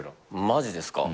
マジですか。